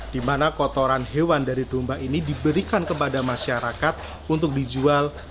di mana kotoran hewan dari domba ini diberikan kepada masyarakat untuk dijual